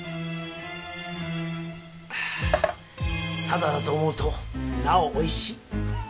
タダだと思うとなおおいしい。